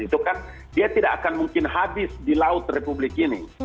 itu kan dia tidak akan mungkin habis di laut republik ini